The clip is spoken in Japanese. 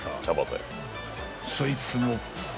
［そいつも］